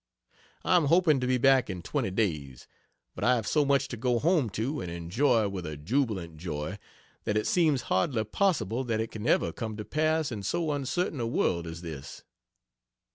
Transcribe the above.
I am hoping to be back in 20 days, but I have so much to go home to and enjoy with a jubilant joy, that it seems hardly possible that it can ever come to pass in so uncertain a world as this.